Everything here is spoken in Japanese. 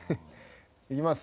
いきます。